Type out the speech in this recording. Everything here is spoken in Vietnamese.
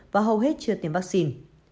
và hầu hết chưa tiêm vaccine